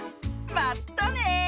まったね！